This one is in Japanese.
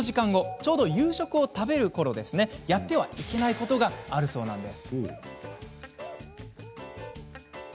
ちょうど夕食を食べるこのころやってはいけないことがあるそうなんです。